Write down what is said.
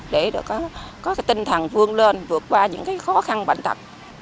để có tinh thần vươn lên vượt qua những khó khăn bệnh tật